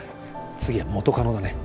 次は元カノだね。